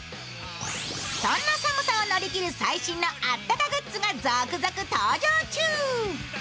そんな寒さを乗り切る最新のあったかグッズが続々登場中。